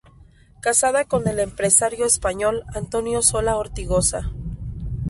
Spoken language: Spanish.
Casada con el empresario español, Antonio Sola Ortigosa.